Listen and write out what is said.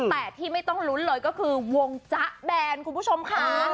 แต่ที่ไม่ต้องลุ้นเลยก็คือวงจ๊ะแบนคุณผู้ชมค่ะ